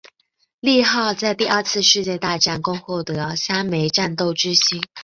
利号在第二次世界大战共获得三枚战斗之星。